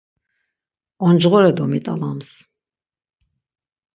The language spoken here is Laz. Oncğore domit̆alams.